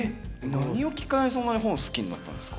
何をきっかけにそんなに本好きになったんですか？